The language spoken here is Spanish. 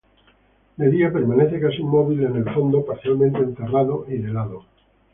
De día permanece casi inmóvil en el fondo, parcialmente enterrado y de lado.